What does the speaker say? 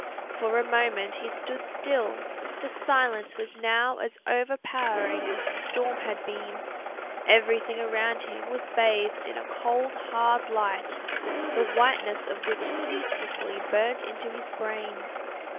For a moment he stood still; the silence was now as overpowering as the storm had been; everything around him was bathed in a cold hard light, the whiteness of which ceaselessly burnt into his brain.